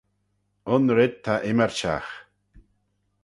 Un red ta ymmyrçhagh.